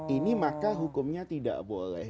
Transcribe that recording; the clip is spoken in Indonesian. ini maka hukumnya tidak boleh